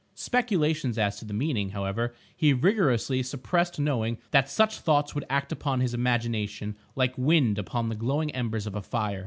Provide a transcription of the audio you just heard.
Speculations as to the meaning, however, he rigorously suppressed, knowing that such thoughts would act upon his imagination like wind upon the glowing embers of a fire.